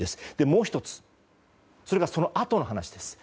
もう１つが、そのあとの話です。